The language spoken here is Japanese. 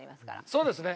そうですね。